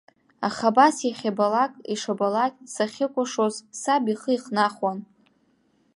Аха абас иахьабалак, ишабалак сахьыкәашоз саб ихы ихнахуан.